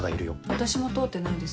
私も通ってないです。